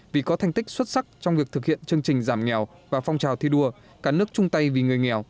vì có thành tích xuất sắc trong việc thực hiện chương trình giảm nghèo và phong trào thi đua cả nước chung tay vì người nghèo